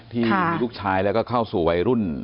ที่มีลูกชายแล้วก็เข้าสู่วัยรุ่น